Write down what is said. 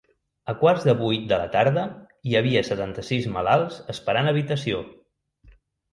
A quarts de vuit de la tarda hi havia setanta-sis malalts esperant habitació.